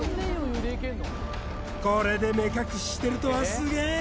これで目隠ししてるとはすげえ！